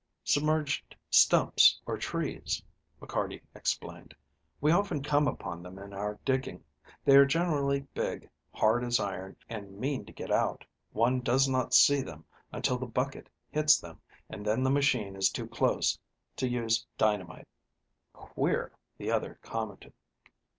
"Submerged stumps or trees," McCarty explained. "We often come upon them in our digging. They are generally big, hard as iron, and mean to get out. One does not see them until the bucket hits them, and then the machine is too close to use dynamite." "Queer," the other commented.